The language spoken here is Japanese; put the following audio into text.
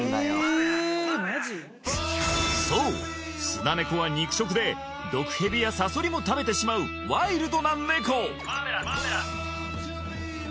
スナネコは肉食で毒ヘビやサソリも食べてしまうワイルドなネコ！